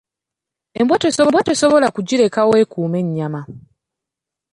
Embwa tosobola kugirekawo ekuume ennyama.